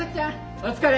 お疲れ！